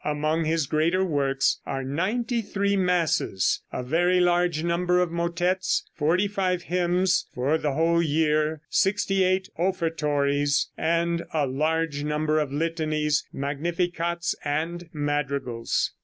Among his greater works are ninety three masses, a very large number of motettes, forty five hymns for the whole year, sixty eight offertories, and a large number of litanies, magnificats and madrigals.